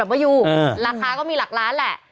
ราคาก็มีหลักล้านแหละ